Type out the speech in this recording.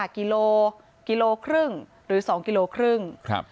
กิโลกิโลครึ่งหรือ๒กิโลครึ่ง